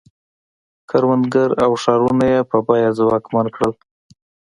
کروندګر او ښارونه یې په بیه ځواکمن کړل.